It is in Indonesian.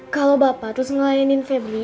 kalau bapak terus ngelayanin febri